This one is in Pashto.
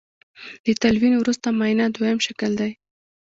د تلوین وروسته معاینه دویم شکل دی.